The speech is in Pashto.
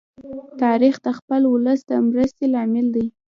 تاریخ د خپل ولس د مرستی لامل دی.